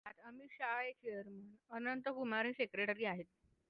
ज्यात अमित शहा हे चेअरमन, अनंत कुमार हे सेक्रेटरी आहेत.